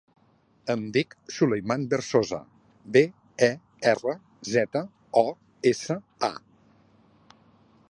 Em dic Sulaiman Berzosa: be, e, erra, zeta, o, essa, a.